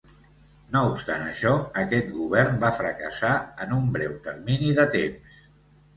No obstant això, aquest govern va fracassar en un breu termini de temps.